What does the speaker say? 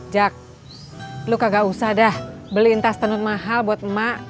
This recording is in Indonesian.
jak lo kagak usah dah beliin tas tenut mahal buat mak